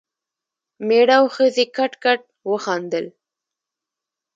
مېړه او ښځې کټ کټ وخندل.